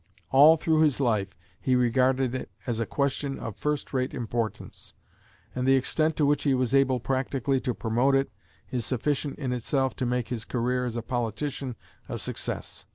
All through his life he regarded it as a question of first rate importance; and the extent to which he was able practically to promote it is sufficient in itself to make his career as a politician a success.